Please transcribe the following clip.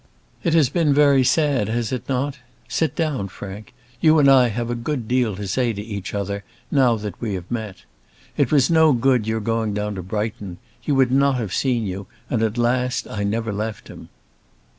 "It has been very sad; has it not? Sit down, Frank. You and I have a good deal to say to each other now that we have met. It was no good your going down to Brighton. He would not have seen you, and at last I never left him."